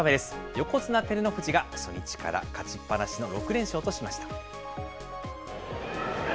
横綱・照ノ富士が初日から勝ちっ放しの６連勝としました。